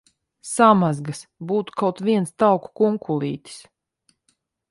Samazgas! Būtu kaut viens tauku kunkulītis!